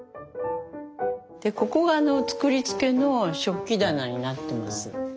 ここが作りつけの食器棚になってます。